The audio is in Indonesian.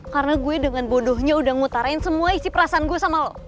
karena gue dengan bodohnya udah ngutarain semua isi perasaan gue sama lo